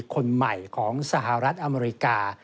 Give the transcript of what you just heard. คนใหม่ของสหรัฐอเมริกา